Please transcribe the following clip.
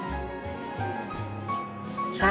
さあ。